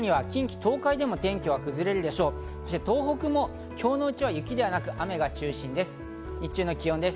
東北も今日のうちは雪ではなく雨が中心です。